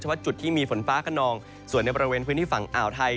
ว่าจุดที่มีฝนฟ้าขนองส่วนในบริเวณพื้นที่ฝั่งอ่าวไทย